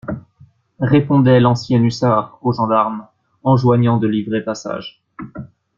Répondait l'ancien hussard au gendarme enjoignant de livrer passage.